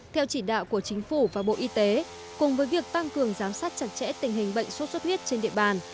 theo chỉ đạo của chính phủ và bộ y tế cùng với việc tăng cường giám sát chặt chẽ tình hình bệnh sốt xuất huyết trên địa bàn